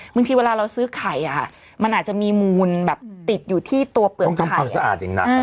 บางทีเวลาเราซื้อไข่มันอาจจะมีมูลแบบติดอยู่ที่ตัวเปลือกต้องทำความสะอาดอย่างหนัก